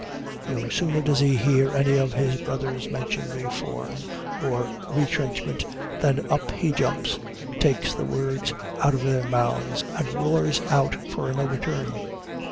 No sooner does he hear any of his brothers mention reform or retrenchment, than up he jumps, takes the words out of their mouths, and roars out for an overturn.